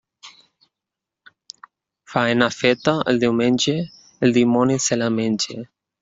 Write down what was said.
Faena feta el diumenge, el dimoni se la menge.